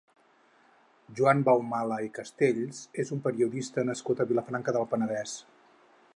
Joan Beumala i Castells és un periodista nascut a Vilafranca del Penedès.